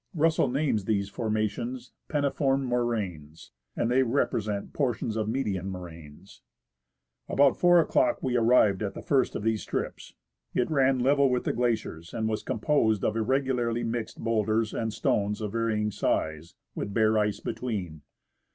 Russell names these formations " penniform moraines," and they represent portions of " median " moraines. About 4 o'clock we arrived at the first of these strips. It ran level with the glaciers, and was composed of irregularly mixed boulders and stones of varying size, with bare ice between.